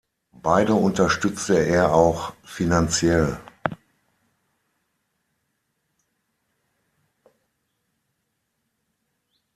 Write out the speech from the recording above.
Beide unterstützte er auch finanziell.